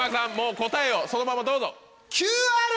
答えをそのままどうぞ。